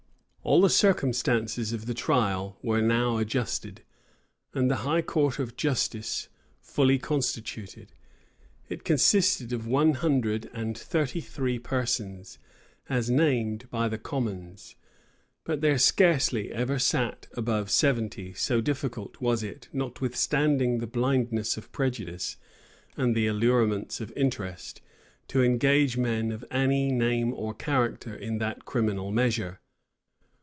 All the circumstances of the trial were now adjusted, and the high court of justice fully constituted. It consisted of one hundred and thirty three persons, as named by the commons; but there scarcely ever sat above seventy: so difficult was it, notwithstanding the blindness of prejudice and the allurements of interest, to engage men of any name or character in that criminal measure.